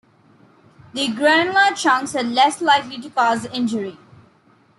The granular chunks are less likely to cause injury.